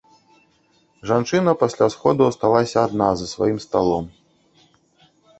Жанчына пасля сходу асталася адна за сваім сталом.